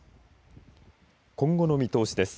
今後の見通しです。